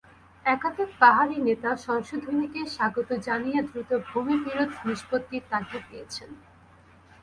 একাধিক পাহাড়ি নেতা সংশোধনীকে স্বাগত জানিয়ে দ্রুত ভূমিবিরোধ নিষ্পত্তির তাগিদ দিয়েছেন।